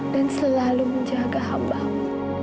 dan selalu menjaga abahmu